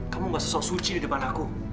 kamu gak sosok suci di depan aku